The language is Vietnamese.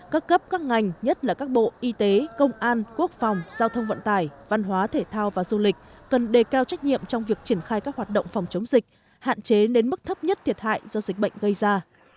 các cấp các ngành nhất là các bộ y tế công an quốc phòng giao thông vận tải văn hóa thể thao và du lịch cần đề cao trách nhiệm trong việc triển khai các hoạt động phòng chống dịch hạn chế đến mức thấp nhất thiệt hại do dịch bệnh gây ra